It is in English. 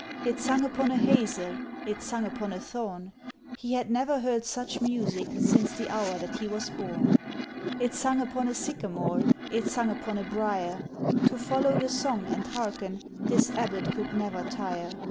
It sung upon a hazel, it sung upon a thorn; He had never heard such music since the hour that he was born. It sung upon a sycamore, it sung upon a briar; To follow the song and hearken this Abbot could never tire.